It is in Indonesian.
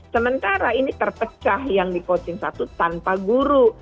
sementara ini terpecah yang di coaching satu tanpa guru